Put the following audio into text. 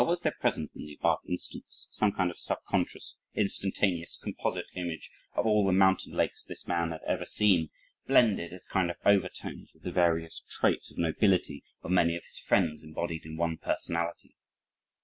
Or was there present in the above instance, some kind of subconscious, instantaneous, composite image, of all the mountain lakes this man had ever seen blended as kind of overtones with the various traits of nobility of many of his friends embodied in one personality?